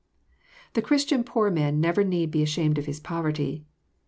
The Christian poor man never need be ashamed of his poverty.